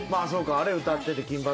あれ歌ってて。